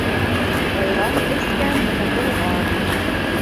Айран эскән ҡотолған.